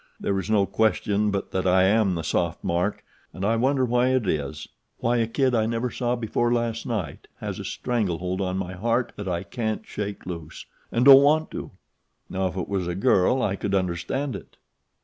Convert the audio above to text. There is no question but that I am the soft mark, and I wonder why it is why a kid I never saw before last night has a strangle hold on my heart that I can't shake loose and don't want to. Now if it was a girl I could understand it."